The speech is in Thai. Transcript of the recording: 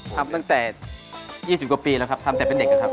ทำตั้งแต่๒๐กว่าปีแล้วครับทำแต่เป็นเด็กนะครับ